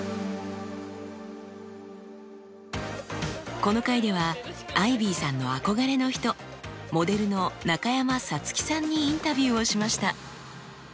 この回ではアイビーさんの憧れの人モデルの中山咲月さんにインタビューをしました。